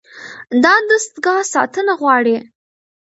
دا دستګاه ساتنه غواړي.